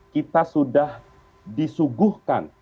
kita sudah disuguhkan